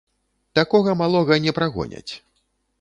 Такога малога не прагоняць.